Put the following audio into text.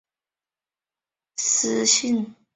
后人多将姓氏改为司姓。